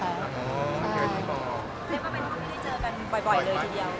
เป็นคนที่ได้เจอกันบ่อยเลยทีเดียว